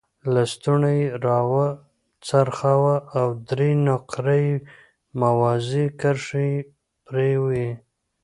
لستوڼی یې را وڅرخاوه او درې نقره یي موازي کرښې یې پرې وې.